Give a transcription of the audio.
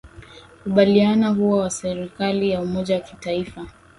ubaliana kuwa na serikali ya umoja wa kitaifa